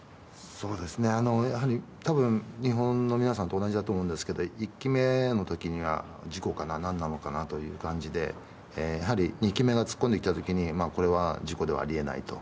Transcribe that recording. やはり、多分、日本の皆さんと同じだと思うんですけど１機目の時には、事故かななんなのかなという感じで２機目が突っ込んできた時にこれは事故ではあり得ないと。